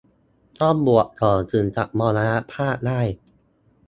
ต้องบวชก่อนถึงจะมรณภาพได้